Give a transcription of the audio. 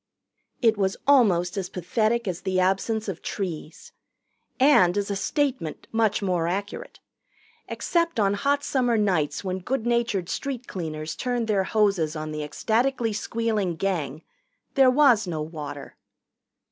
It was almost as pathetic as the absence of trees. And, as a statement, much more accurate. Except on hot summer nights when good natured street cleaners turned their hoses on the ecstatically squealing Gang, there was no water.